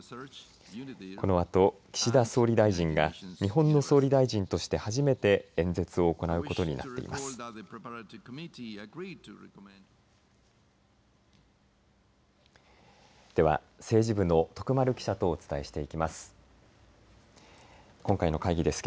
このあと、岸田総理大臣が日本の総理大臣として初めて演説を行うことになっています。